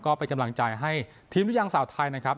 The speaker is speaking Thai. ก็เป็นกำลังใจให้ทีมหรือยังสาวไทยนะครับ